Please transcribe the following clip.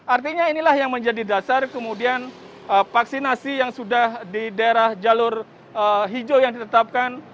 artinya inilah yang menjadi dasar kemudian vaksinasi yang sudah di daerah jalur hijau yang ditetapkan